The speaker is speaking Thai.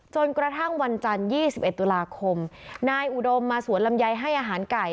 จนกระทั่งวันจันทร์๒๑ตุลาคมนายอุดมมาสวนลำไยให้อาหารไก่